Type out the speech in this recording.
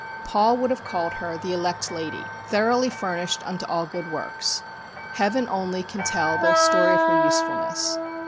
Paul would have called her "The elect lady," "Thoroughly furnished unto all good works." Heaven only can tell the story of her usefulness.